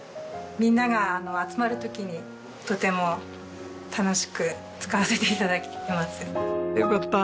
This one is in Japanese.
みんなが集まる時にとても楽しく使わせて頂いてます。